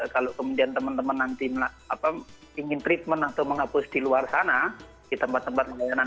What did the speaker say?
kalau kemudian teman teman nanti ingin treatment atau menghapus di luar sana di tempat tempat layanan